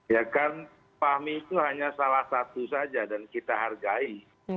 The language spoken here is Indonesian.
ya kan fahmi itu hanya salah satu saja dan kita hargai